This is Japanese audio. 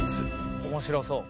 面白そう。